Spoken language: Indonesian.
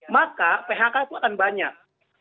maka phk itu akan banyak